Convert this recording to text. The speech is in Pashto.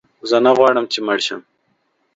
زه نه غواړم چې مړ شم.